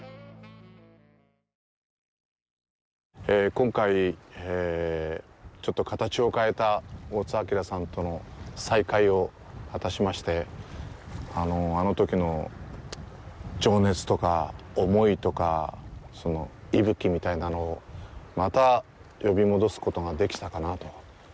今回、ちょっと形を変えた大津あきらさんとの再会を果たしまして、あのときの情熱とか、思いとか、その息吹みたいなのをまた呼び戻すことができたかなと。